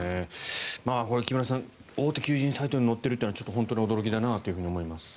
これ、木村さん大手求人サイトに載っているというのはちょっと本当に驚きだなというふうに思います。